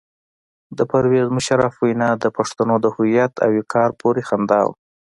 د پرویز مشرف وینا د پښتنو د هویت او وقار پورې خندا وه.